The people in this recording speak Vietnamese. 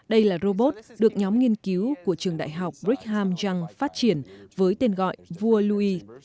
đây là robot được nhóm nghiên cứu của trường đại học brigham young phát triển với tên gọi vua louis